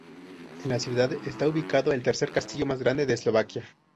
En la ciudad está ubicado el tercer castillo más grande de Eslovaquia.